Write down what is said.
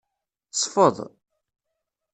Sfeḍ.